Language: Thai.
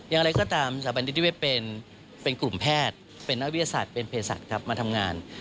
อย่างไรก็ตามสถาบันนิติเวศเป็นกลุ่มแพทย์เป็นนักวิทยาศาสตร์เป็นเพศัตริย์ครับมาทำงาน